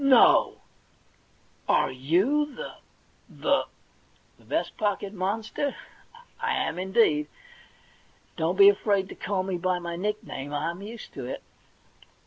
* No ! Are you the —the ?'* Vest pocket monster ? I am, indeed. Don't be afraid to call me by my nickname ; I'm used to it.'